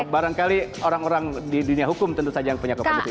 barangkali orang orang di dunia hukum tentu saja yang punya kompetensi